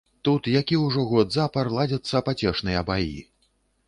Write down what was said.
Тут які ўжо год запар ладзяцца пацешныя баі.